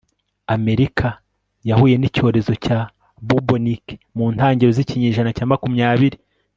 Amerika yahuye nicyorezo cya Bubonic mu ntangiriro zikinyejana cya makumyabiri